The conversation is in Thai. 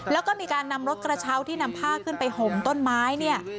แล้วก็มีการนำรถกระเช้าที่นำผ้าขึ้นไปห่มต้นไม้เนี่ย